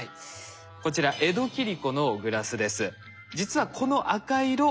こちら江戸切子のグラスです。